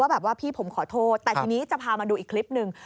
แบบว่าพี่ผมขอโทษแต่ทีนี้จะพามาดูอีกคลิปหนึ่ง